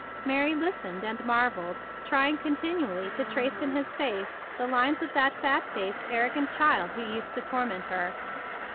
Mary listened and marvelled, trying continually to trace In his face the lines of the fat faced, ar¬ rogant child who used to torment her.